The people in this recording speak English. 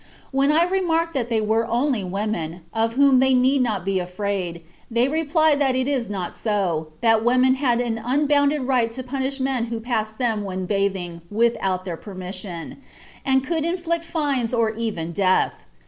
When I remarked that they were only women, of whom they need not be afraid, they replied that it was not so, that women had an unbounded right to punish men who passed them when bathing without their permission, and could inflict fines or even death.